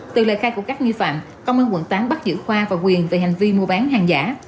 từ lời khai của các nghi phạm công an quận tám bắt giữ khoa và quyền về hành vi mua bán hàng giả